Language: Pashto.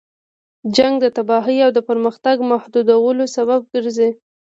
جنګ د تباهۍ او د پرمختګ محدودولو سبب ګرځي.